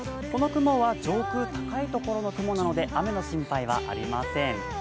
この雲は上空、高いところの雲なので雨の心配はありません。